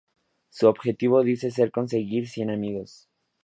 Su objetivo dice ser conseguir cien amigos.